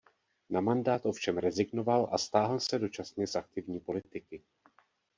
Na mandát ovšem rezignoval a stáhl se dočasně z aktivní politiky.